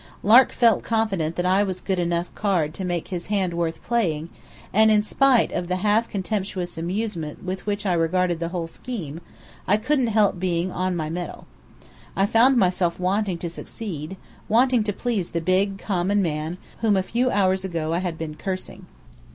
Lark felt confident that I was a good enough card to make his hand worth playing, and in spite of the half contemptuous amusement with which I regarded the whole scheme, I couldn't help being "on my mettle." I found myself wanting to succeed, wanting to please the big, common man whom a few hours ago I had been cursing.